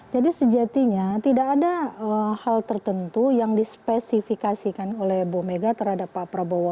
jadi sejatinya tidak ada hal tertentu yang dispesifikasikan oleh bu mega terhadap pak prabowo